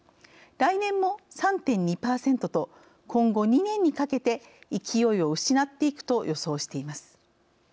来年も３．２％と今後２年にかけて勢いを失っていくと予想しています。